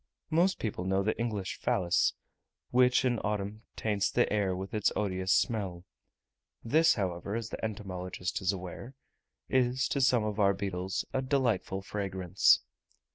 Most people know the English Phallus, which in autumn taints the air with its odious smell: this, however, as the entomologist is aware, is, to some of our beetles a delightful fragrance.